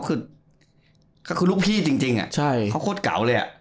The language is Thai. เขาคือลูกพี่จริงอะเขาโคตรเก่าเลยอะ